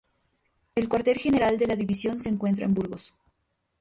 El Cuartel General de la división se encuentra en Burgos.